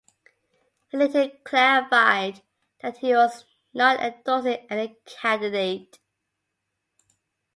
He later clarified that he was not endorsing any candidate.